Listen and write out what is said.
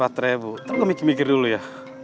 tengok gue mikir mikir dulu ya